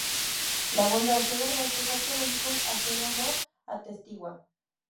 La abundancia de restos arqueológicos así nos lo atestigua.